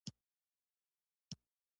په یوې ګاډۍ کې ور کېناستلو.